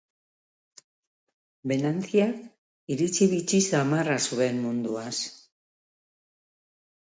Venanciak iritzi bitxi samarra zuen munduaz.